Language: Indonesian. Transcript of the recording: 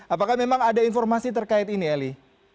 apakah memang ada informasi terkait ini eli